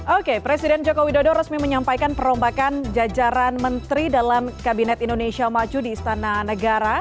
oke presiden joko widodo resmi menyampaikan perombakan jajaran menteri dalam kabinet indonesia maju di istana negara